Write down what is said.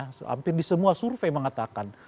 hampir di semua survei mengatakan